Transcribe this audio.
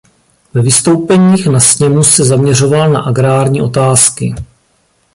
Ve vystoupeních na sněmu se zaměřoval na agrární otázky.